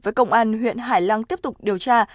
với công an huyện hải lăng tiếp tục điều tra